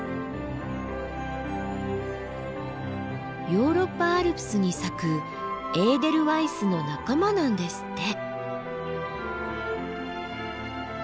ヨーロッパアルプスに咲くエーデルワイスの仲間なんですって。